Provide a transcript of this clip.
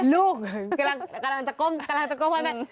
ลูกกำลังจะก้มให้แม่